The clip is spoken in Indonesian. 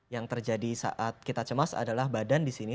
yang terjadi saat kita cemas adalah badan di sini